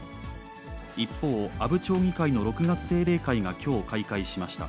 一方、阿武町議会の６月定例会がきょう開会しました。